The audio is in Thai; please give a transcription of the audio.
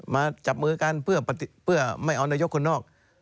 ไม่ปฐิษฐ์มือกันเพื่อไม่เอานายกข้างนอก